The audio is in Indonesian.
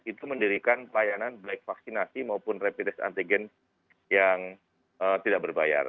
itu mendirikan pelayanan baik vaksinasi maupun rapid test antigen yang tidak berbayar